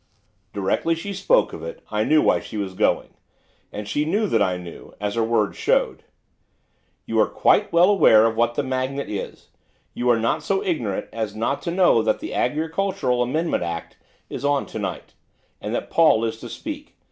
Directly she spoke of it I knew why she was going, and she knew that I knew, as her words showed. 'You are quite well aware of what the magnet is. You are not so ignorant as not to know that the Agricultural Amendment Act is on to night, and that Paul is to speak.